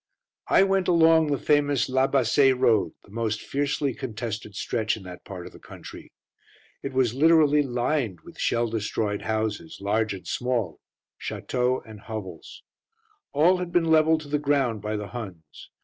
I went along the famous La Bassée Road the most fiercely contested stretch in that part of the country. It was literally lined with shell destroyed houses, large and small; châteaux and hovels. All had been levelled to the ground by the Huns.